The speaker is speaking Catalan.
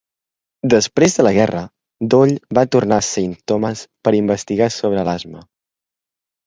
Després de la guerra, Doll va tornar a Saint Thomas per investigar sobre l'asma.